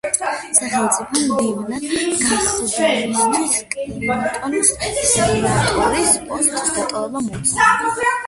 სახელმწიფო მდივნად გახდომისთვის, კლინტონს სენატორის პოსტის დატოვება მოუწია.